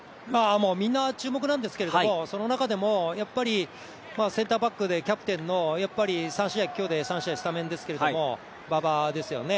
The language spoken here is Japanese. みんな注目なんですがその中でも、やっぱり、センターバックでキャプテンの今日で３試合スタメンですけど馬場ですよね。